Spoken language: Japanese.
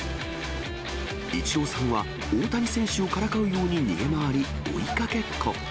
イチローさんは、大谷選手をからかうように逃げ回り、追いかけっこ。